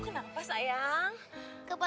jangan mama jangan ma